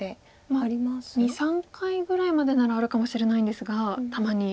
まあ２３回ぐらいまでならあるかもしれないんですがたまに。